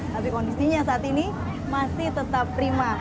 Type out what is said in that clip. tapi kondisinya saat ini masih tetap prima